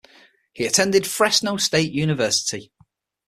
He attended Fresno State University.